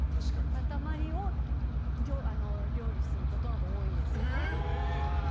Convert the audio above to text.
塊を料理することのほうが多いです。